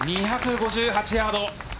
２５８ヤード。